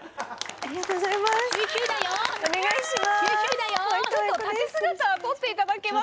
ありがとうございます。